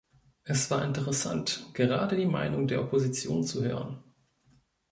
Es war interessant, gerade die Meinung der Opposition zu hören.